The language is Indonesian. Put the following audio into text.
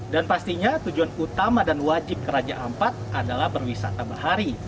dan pastinya tujuan utama dan wajib ke raja ampat adalah berwisata bahari